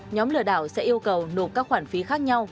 nhóm lừa đảo sẽ yêu cầu nộp các khoản phí khác nhau